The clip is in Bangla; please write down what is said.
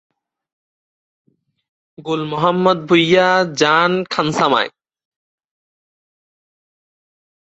গুল মোহাম্মদ ভূঁইয়া যান খানসামায়।